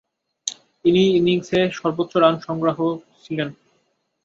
প্রথম ইনিংসে সর্বোচ্চ রান সংগ্রাহক ছিলেন।